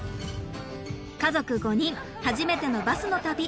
家族５人初めてのバスの旅。